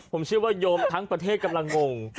ผมเชื่อว่าโยมทั้งประเทศกำลังงง